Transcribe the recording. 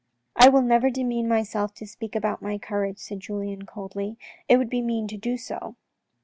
" I will never demean myself to speak about my courage," said Julien, coldly, " it would be mean to do so.